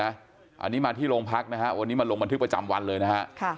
อันนี้มาที่โรงพักนะฮะวันนี้มาลงบันทึกประจำวันเลยนะฮะ